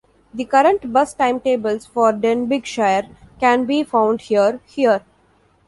The current bus timetables for Denbighshire can be found here: here.